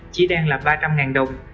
chỉ đang là ba trăm linh đồng